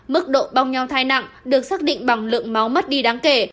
mức độ bong nhau thai nặng được xác định bằng lượng máu mất đi đáng kể